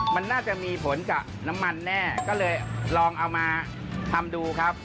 มันน่าจะมีผลกับน้ำมันแน่ก็เลยลองเอามาทำดูครับ